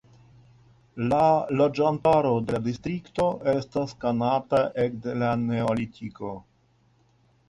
La loĝantaro de la distrikto estas konata ekde la neolitiko.